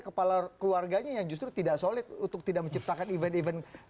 kepala keluarganya yang justru tidak solid untuk tidak menciptakan event event